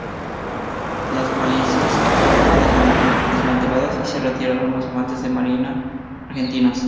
Las balizas fueron desmanteladas y se retiraron los infantes de marina argentinos.